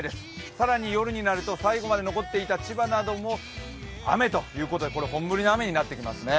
更に夜になると最後まで残っていた千葉なども雨ということで、これは本降りの雨になってきますね。